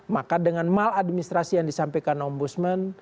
maka dengan maladministrasi yang disampaikan ombudsman